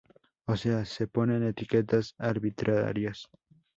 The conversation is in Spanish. O sea, se ponen etiquetas arbitrarias.